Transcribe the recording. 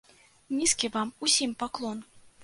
Нізкі вам усім паклон!